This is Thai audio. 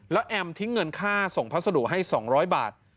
แล้วแอมทิ้งเงินค่าส่งพัสดุให้๒๐๐บาท